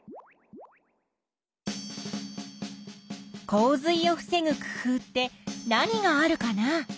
洪水を防ぐ工夫って何があるかな？